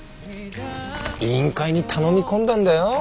委員会に頼み込んだんだよ。